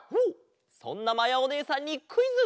そんなまやおねえさんにクイズ！